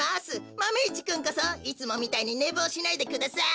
マメ１くんこそいつもみたいにねぼうしないでください。